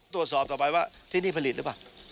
ตรวจสอบต่อไปว่าที่นี่ผลิตหรือเปล่า